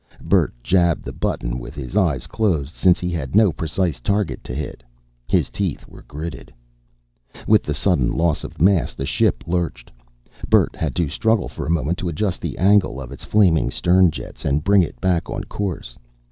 Bert jabbed the button with his eyes closed since he had no precise target to hit. His teeth were gritted. With the sudden loss of mass, the ship lurched. Bert had to struggle for a moment to adjust the angle of its flaming stern jets, and bring it back on course.